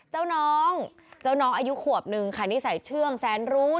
หนูถอดแว่นก่อนลูก